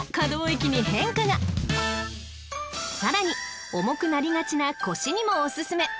［さらに重くなりがちな腰にもお薦め！］